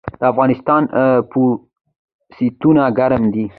د افغانستان پوستینونه ګرم دي